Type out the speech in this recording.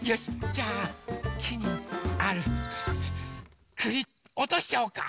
じゃあきにあるくりおとしちゃおうか！